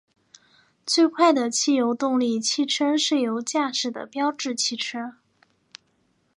最快的汽油动力汽车是由驾驶的标致汽车。